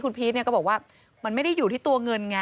คุณพีชก็บอกว่ามันไม่ได้อยู่ที่ตัวเงินไง